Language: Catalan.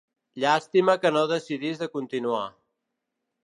Llàstima que no decidís de continuar.